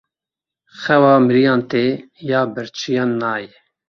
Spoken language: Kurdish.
Xewa miriyan tê, ya birçiyan nayê.